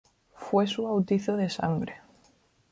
Fue su bautizo de sangre.